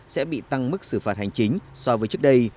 sẽ bị tăng mức xử phạt hành chính so với trước đây